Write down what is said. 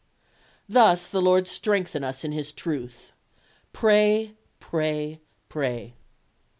Thus the Lord strengthen us in His truth. Pray, pray, pray."